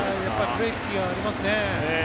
ブレーキがありますね。